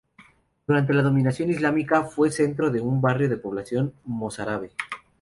Durante la dominación islámica, fue centro de un barrio de población mozárabe.